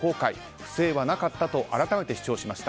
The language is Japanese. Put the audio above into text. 不正はなかったと改めて主張しました。